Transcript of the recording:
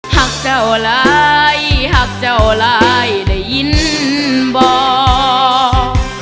หักเจ้าหลายหักเจ้าหลายได้ยินบอก